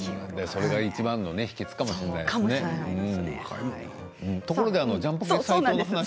それがいちばんの秘けつかもしれないですね。